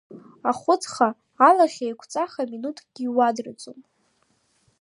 Ахәыцха, алахьеиқәҵаха минуҭкгьы иуадраӡом.